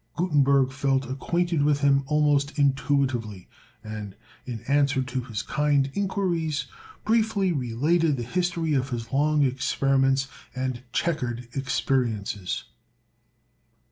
Gutenberg felt acquainted with him almost intuitively, and, in answer to his kind inquiries, briefly related the history of his long experiments and checkered experiences.